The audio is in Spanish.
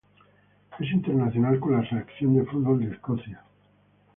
Es internacional con la Selección de fútbol de Escocia.